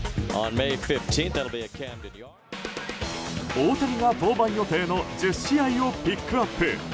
大谷が登板予定の１０試合をピックアップ。